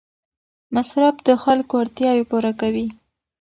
مصرف د خلکو اړتیاوې پوره کوي.